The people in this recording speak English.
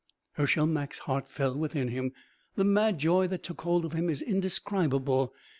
Hershel Mak's heart fell within him. The mad joy that took hold of him is indescribable.